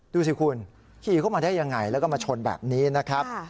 ดูสิคุณขี่เข้ามาได้ยังไงแล้วก็มาชนแบบนี้นะครับ